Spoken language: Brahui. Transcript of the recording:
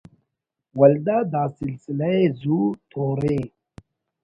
ولدا داسلسلہ ءِ زو تورے